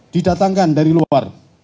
didatangkan dari luar